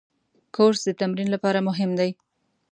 کورس د تمرین لپاره مهم دی.